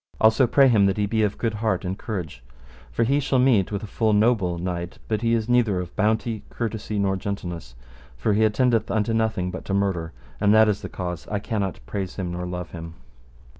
Also pray him that he be of good heart and courage, for he shall meet with a full noble knight, but he is neither of bounty, courtesy, nor gentleness; for he attendeth unto nothing but to murder, and that is the cause I cannot praise him nor love him.